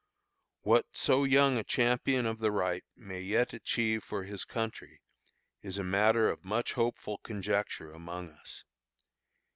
What so young a champion of the right may yet achieve for his country, is a matter of much hopeful conjecture among us.